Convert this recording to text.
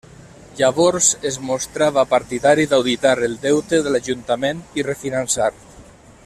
Llavors es mostrava partidari d'auditar el deute de l'ajuntament i refinançar.